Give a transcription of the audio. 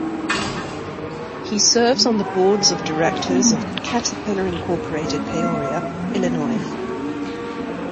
He serves on the boards of directors of Caterpillar Incorporated Peoria, Illinois.